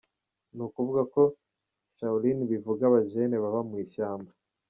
Ni ukuvuga ko shaolini bivuga abajene baba mu ishyamba.